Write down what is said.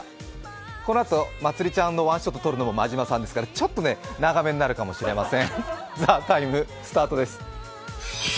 このあと、まつりちゃんのワンショット撮るのもマジマさんですから、ちょっとね、長めになるかもしれません。